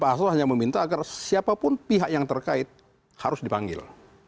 pak hasto hanya meminta agar siapapun pihak yang terkait harus dipanggil